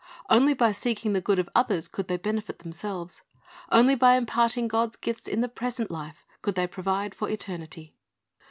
Only by seeking the good of others could they benefit themselves. Only by impart ing God's gifts in the present life, could they provide for eternity.